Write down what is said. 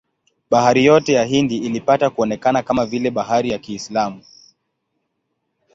Bahari yote ya Hindi ilipata kuonekana kama vile bahari ya Kiislamu.